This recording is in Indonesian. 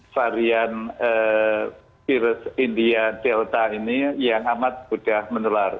varian virus india delta ini yang amat mudah menular